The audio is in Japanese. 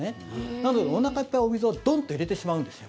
なので、おなかいっぱいお水をドンと入れてしまうんですよ。